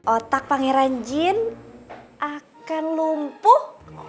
otak pangeran jin akan lumpuh